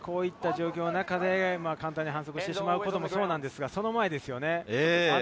こういった状況の中で、簡単に反則してしまうこともそうですが、その前。